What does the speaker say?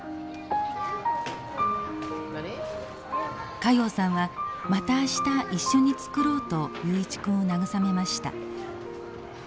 加用さんはまた明日一緒に作ろうと雄一君を慰めました。